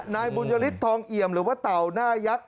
นายบุญยฤทธทองเอี่ยมหรือว่าเต่าหน้ายักษ์